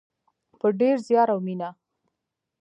په ډیر زیار او مینه.